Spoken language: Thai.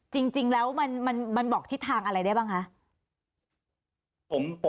จริงแล้วมันบอกทิศทางอะไรได้บ้างคะ